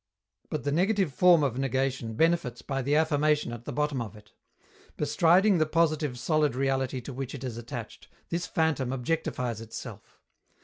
But the negative form of negation benefits by the affirmation at the bottom of it. Bestriding the positive solid reality to which it is attached, this phantom objectifies itself.